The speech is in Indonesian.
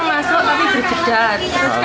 orang masuk tapi berceder